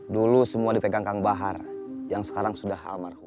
dulu semua dipegang kang bahar yang sekarang sudah almarhum